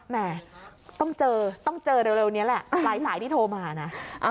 แม่ต้องเจอต้องเจอเร็วนี้แหละปลายสายที่โทรมานะ